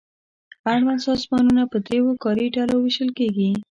اړوند سازمانونه په دریو کاري ډلو وېشل کیږي.